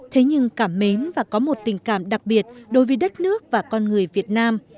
thế nhưng cảm mến và có một tình cảm đặc biệt đối với đất nước và con người việt nam